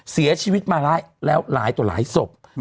เสียชีวิตมาแล้วหลายต่อหลายศพ